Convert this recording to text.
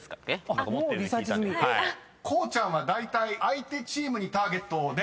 ［こうちゃんはだいたい相手チームにターゲットをね］